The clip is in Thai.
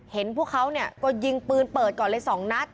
เห็นพวกเขาเนี่ยก็ยิงปืนเปิดก่อนเลย๒นัท